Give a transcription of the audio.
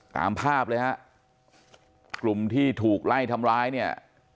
ตามภาพเลยฮะกลุ่มที่ถูกไล่ทำร้ายเนี่ย